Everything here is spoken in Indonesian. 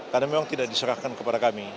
karena memang tidak diserahkan kepada kami